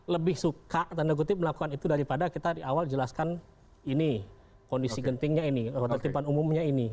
lebih suka tanda kutip melakukan itu daripada kita di awal jelaskan ini kondisi gentingnya ini ketertiban umumnya ini